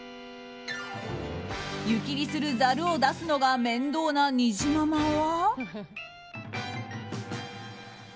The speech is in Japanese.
湯切りする、ざるを出すのが面倒なにじままは。